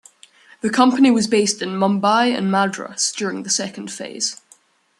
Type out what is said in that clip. The company was based in Mumbai and Madras during the second phase.